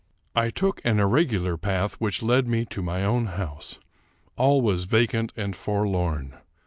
I TOOK an irregular path v^hich led me to my own house. All was vacant and forlorn.